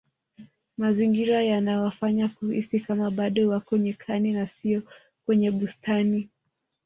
mazingira yanawafanya kuhisi Kama bado wako nyikani na siyo kwenye bustani